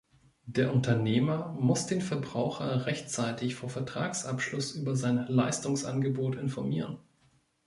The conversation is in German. Der Unternehmer muss den Verbraucher rechtzeitig vor Vertragsabschluss über sein Leistungsangebot informieren.